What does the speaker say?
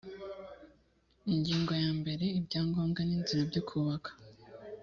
ingingo ya mbere ibyangombwa n inzira byo kubaka